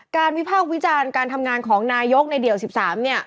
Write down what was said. วิพากษ์วิจารณ์การทำงานของนายกในเดี่ยว๑๓เนี่ย